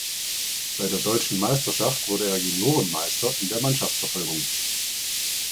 Bei der Deutschen Meisterschaft wurde er Juniorenmeister in der Mannschaftsverfolgung.